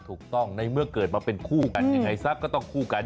ถูกต้องในเมื่อเกิดมาเป็นคู่กันยังไงซะก็ต้องคู่กัน